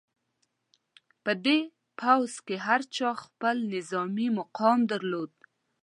په دې پوځ کې هر چا خپل نظامي مقام درلود.